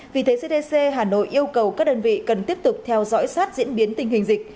vì thế cdc hà nội yêu cầu các đơn vị cần tiếp tục theo dõi sát diễn biến tình hình dịch